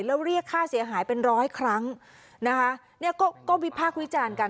แล้วเรียกค่าเสียหายเป็นร้อยครั้งนะคะเนี่ยก็ก็วิพากษ์วิจารณ์กัน